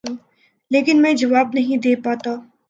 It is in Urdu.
لیکن میں جواب نہیں دے پاتا ۔